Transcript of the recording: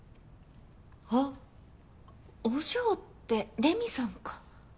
あっお嬢ってレミさんか。